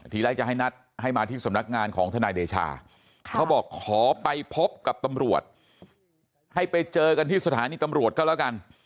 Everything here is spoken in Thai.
ทีแรกจะให้นัดให้มาที่สำนักงานของทนายเดชาเขาบอกขอไปพบกับตำรวจให้ไปเจอกันที่สถานีตำรวจก็แล้วกัน